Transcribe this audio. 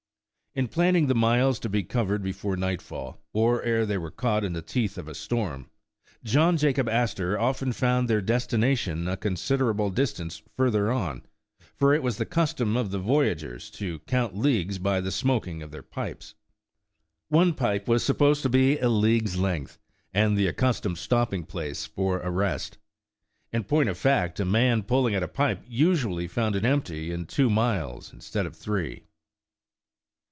In planning the miles to be covered before nightfall, or ere they were caught in the teeth of a storm, John Jacob Astor often found their destination a consider able distance further on, for it was the custom of the voyaguers to count leagues by the smoking of their pipes. One pipe was supposed to be a league's length, and the accustomed stopping place for a rest. In point of fact, a man pulling at a pipe usually found it empty in two miles instead of three.